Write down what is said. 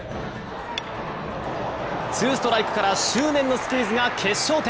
ツーストライクから執念のスクイズが決勝点。